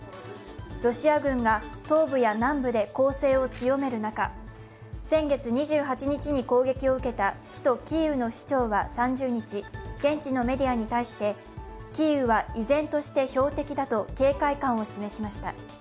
ロシア軍が東部や南部で攻勢を強める中、先月２８日に攻撃を受けた首都キーウの市長は３０日、現地のメディアに対してキーウは依然として標的だと警戒感を示しました。